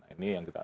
ini yang kita